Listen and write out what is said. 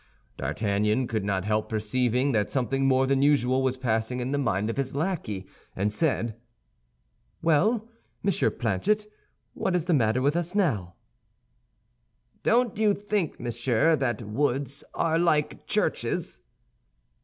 D'Artagnan could not help perceiving that something more than usual was passing in the mind of his lackey and said, "Well, Monsieur Planchet, what is the matter with us now?" "Don't you think, monsieur, that woods are like churches?"